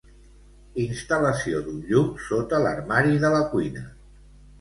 Instal·lació d'un llum sota l'armari de la cuina